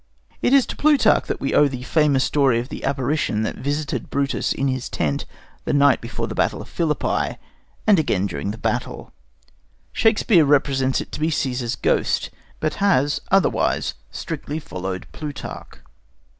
It is to Plutarch that we owe the famous story of the apparition that visited Brutus in his tent the night before the battle of Philippi, and again during the battle. Shakespeare represents it to be Cæsar's ghost, but has otherwise strictly followed Plutarch.